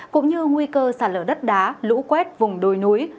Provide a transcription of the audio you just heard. cũng như nguy cơ sạt lở đất đá lũ quét vùng đồi núi